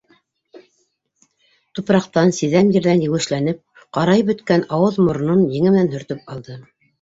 Тупраҡтан, сиҙәм ерҙән еүешләнеп, ҡарайып бөткән ауыҙ-моронон еңе менән һөртөп алды.